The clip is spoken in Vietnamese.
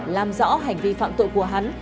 làm rõ hành vi phạm tội của hắn